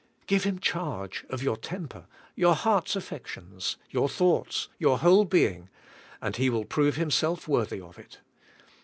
Give Him charge of yourtemper, your heart's affections, your thoughts, your whole being, and He will prove Himself worthy of it.